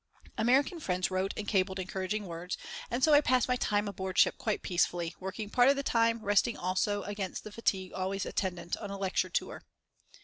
American friends wrote and cabled encouraging words, and so I passed my time aboard ship quite peacefully, working part of the time, resting also against the fatigue always attendant on a lecture tour.